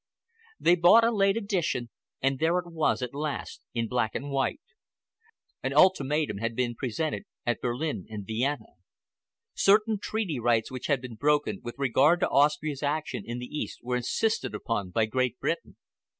They bought a late edition, and there it was at last in black and white. An ultimatum had been presented at Berlin and Vienna. Certain treaty rights which had been broken with regard to Austria's action in the East were insisted upon by Great Britain.